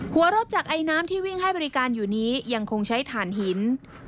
รถจากไอน้ำที่วิ่งให้บริการอยู่นี้ยังคงใช้ฐานหิน